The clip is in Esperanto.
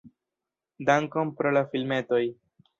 "Dankon pro la filmetoj"!